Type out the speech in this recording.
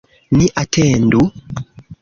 Ni atendu.